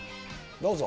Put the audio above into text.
どうぞ。